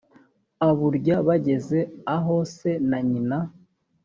aburya b ageze aho se na nyina